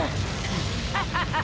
ッハハハハ！！